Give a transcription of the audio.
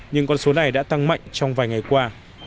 nhưng con số này đã tăng mạnh trong vài ngày qua